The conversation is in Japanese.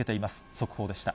速報でした。